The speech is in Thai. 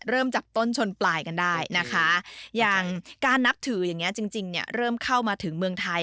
เริ่มจากต้นชนปลายกันได้นะคะอย่างการนับถืออย่างนี้จริงเนี่ยเริ่มเข้ามาถึงเมืองไทย